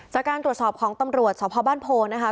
จากการตรวจสอบของตำรวจสพบ้านโพนะคะ